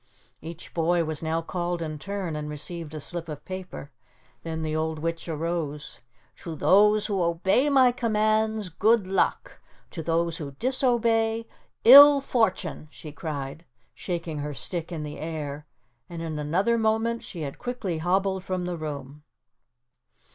Each boy was now called in turn and received a slip of paper. Then the old witch arose. "To those who obey my commands, good luck; to those who disobey, ill fortune," she cried, shaking her stick in the air, and in another moment she had quickly hobbled from the room.